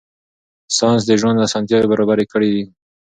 ساینس د ژوند اسانتیاوې برابرې کړې دي.